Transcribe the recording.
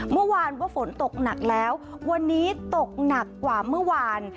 เมื่อวานว่าฝนตกหนักแล้ววันนี้ตกหนักกว่าเมื่อวาน